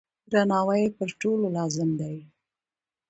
درناوی یې پر ټولو لازم دی.